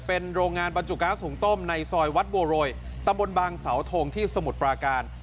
เป็นโรงงานบรรจุก๊าซหุงต้มในซอยวัดบัวโรยตำบลบางเสาทงที่สมุทรปราการ